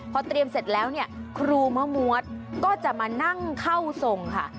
พอเตรียมเสร็จแล้วเนี่ยครูมะมวดก็จะมานั่งเข้าทรงค่ะ